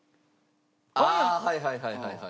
ああはいはいはいはい。